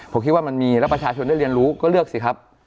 ผมคิดว่ามันมีแล้วประชาชนได้เรียนรู้ก็เลือกสิครับ